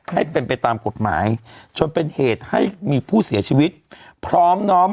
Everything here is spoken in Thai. ให้เป็นไปตามกฎหมายจนเป็นเหตุให้มีผู้เสียชีวิตพร้อมน้อม